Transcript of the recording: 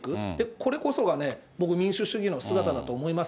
これこそがね、僕、民主主義の姿だと思います。